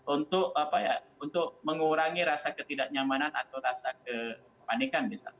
untuk mengurangi rasa ketidaknyamanan atau rasa kepanikan misalnya